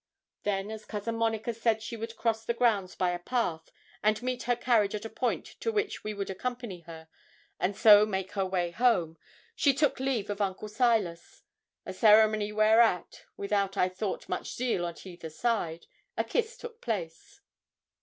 Then, as Cousin Monica said she would cross the grounds by a path, and meet her carriage at a point to which we would accompany her, and so make her way home, she took leave of Uncle Silas; a ceremony whereat without, I thought, much zeal at either side a kiss took place.